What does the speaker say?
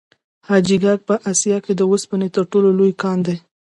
حاجي ګک په اسیا کې د وسپنې تر ټولو لوی کان دی.